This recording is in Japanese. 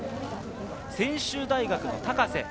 専修大学の高瀬。